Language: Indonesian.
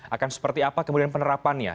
akan seperti apa kemudian penerapannya